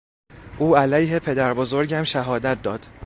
او علیه پدربزرگم شهادت داد.